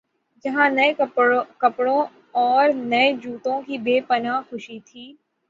جہاں نئے کپڑوں اورنئے جوتوں کی بے پنا ہ خوشی تھی۔